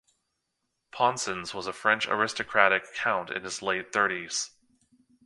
Poncins was a French aristocratic count in his late thirties.